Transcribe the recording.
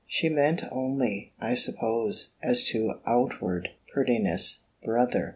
She meant only, I suppose, as to outward prettiness, brother!